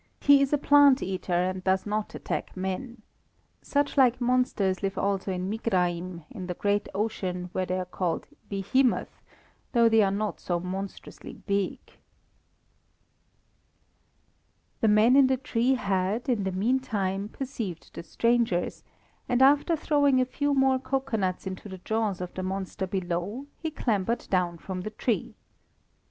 He is a plant eater, and does not attack men. Such like monsters live also in Migraim, in the great ocean, where they are called 'Behemoth,' though they are not so monstrously big." The man in the tree had, in the mean time, perceived the strangers, and after throwing a few more cocoanuts into the jaws of the monster below, he clambered down from the tree.